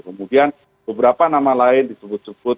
kemudian beberapa nama lain disebut sebut